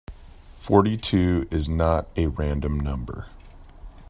Forty-two is not a random number.